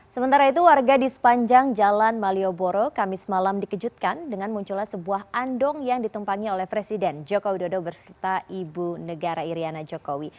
sementara itu warga di sepanjang jalan malioboro kamis malam dikejutkan dengan munculnya sebuah andong yang ditumpangi oleh presiden joko widodo berserta ibu negara iryana jokowi